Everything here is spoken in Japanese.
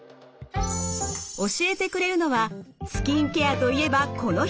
教えてくれるのはスキンケアといえばこの人。